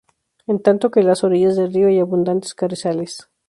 En tanto que en las orillas del río hay abundantes carrizales.